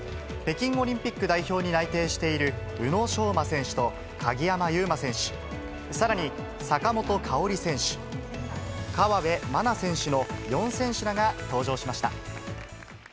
北京オリンピック代表に内定している宇野昌磨選手と、鍵山優真選手、さらに坂本花織選手、河辺愛菜選手の４選手らが登場しました。